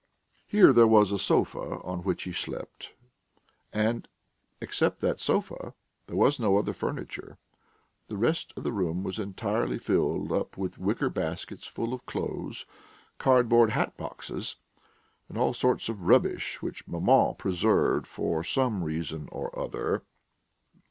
Here there was a sofa on which he slept, and, except that sofa, there was no other furniture; the rest of the room was entirely filled up with wicker baskets full of clothes, cardboard hat boxes, and all sorts of rubbish, which maman preserved for some reason or other.